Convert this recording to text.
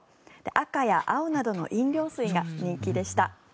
赤や青などの飲料水が人気でした。